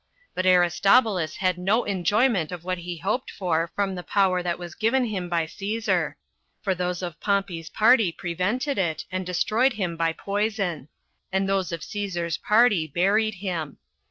But Aristobulus had no enjoyment of what he hoped for from the power that was given him by Cæsar; for those of Pompey's party prevented it, and destroyed him by poison; and those of Cæsar's party buried him.